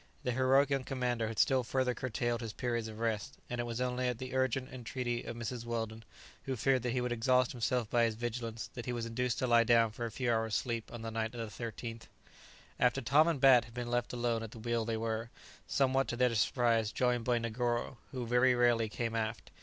The heroic young commander had still further curtailed his periods of rest, and it was only at the urgent entreaty of Mrs. Weldon, who feared that he would exhaust himself by his vigilance, that he was induced to lie down for a few hours' sleep on the night of the 13th. After Tom and Bat had been left alone at the wheel they were, somewhat to their surprise, joined by Negoro, who very rarely came aft.